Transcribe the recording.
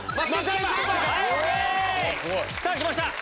さぁきました！